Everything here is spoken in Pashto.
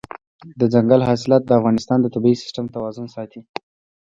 دځنګل حاصلات د افغانستان د طبعي سیسټم توازن ساتي.